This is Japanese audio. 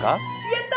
やった！